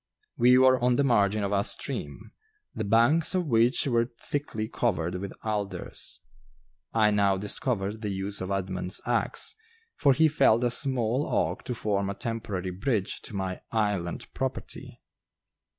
We were on the margin of a stream, the banks of which were thickly covered with alders. I now discovered the use of Edmund's axe, for he felled a small oak to form a temporary bridge to my "Island" property.